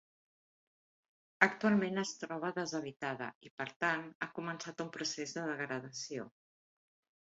Actualment es troba deshabitada i, per tant, ha començat un procés de degradació.